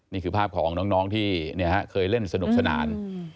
นี่คือภาพของน้องที่เคยเล่นสนุกสนาน